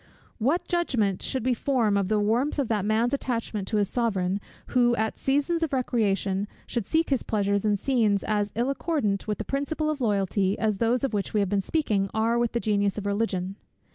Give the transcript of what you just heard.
What judgment should we form of the warmth of that man's attachment to his Sovereign, who, at seasons of recreation, should seek his pleasures in scenes as ill accordant with the principle of loyalty, as those of which we have been speaking are with the genius of religion?